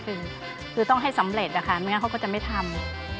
คือต้องให้สำเร็จนะคะไม่งั้นเขาก็จะไม่ทำ